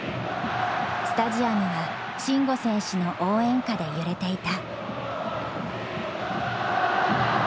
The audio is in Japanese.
スタジアムは慎吾選手の応援歌で揺れていた。